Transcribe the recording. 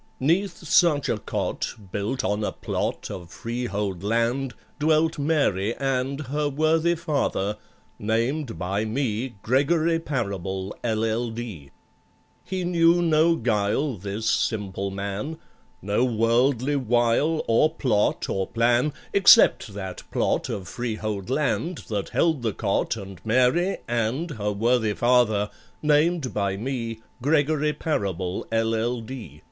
'Neath such a cot, built on a plot Of freehold land, dwelt MARY and Her worthy father, named by me GREGORY PARABLE, LL.D. He knew no guile, this simple man, No worldly wile, or plot, or plan, Except that plot of freehold land That held the cot, and MARY, and Her worthy father, named by me GREGORY PARABLE, LL.D.